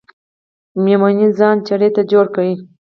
میمونۍ ځان چړې ته جوړ که